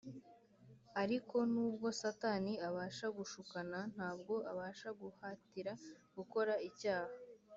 Ariko nubwo Satani abasha gushukana, ntabwo abasha guhatira gukora icyaha